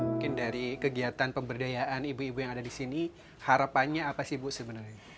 mungkin dari kegiatan pemberdayaan ibu ibu yang ada di sini harapannya apa sih bu sebenarnya